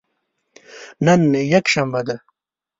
نن یکشنبه ده